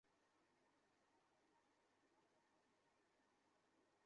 নির্বাচনী ব্যবস্থায় বিনা প্রতিদ্বন্দ্বিতায় নির্বাচিত হওয়ার বিষয়টি ব্যতিক্রম হিসেবেই বিবেচিত হয়।